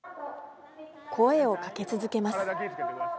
声をかけ続けます。